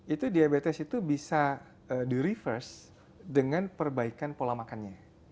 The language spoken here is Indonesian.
itu diabetes itu bisa di reverse dengan perbaikan pola makannya